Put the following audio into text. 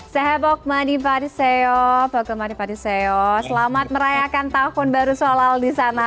sehebogmanipadiseyo selamat merayakan tahun baru sholal di sana